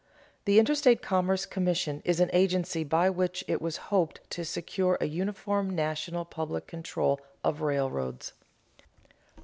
_The Interstate Commerce Commission is an agency by which it was hoped to secure a uniform national public control of railroads.